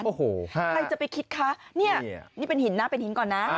ใครจะไปคิดคะนี่เป็นหินนะเป็นหินก่อนนะ